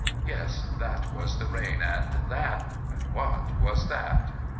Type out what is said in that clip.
Yes, that was the rain and that What was that?